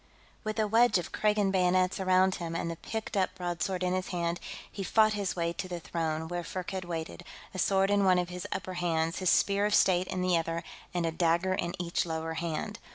With a wedge of Kragan bayonets around him and the picked up broadsword in his hand, he fought his way to the throne, where Firkked waited, a sword in one of his upper hands, his Spear of State in the other, and a dagger in each lower hand.